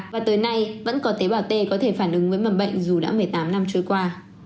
và tới nay vẫn có tế bào t có thể phản ứng với mầm bệnh dù đã một mươi tám năm trôi qua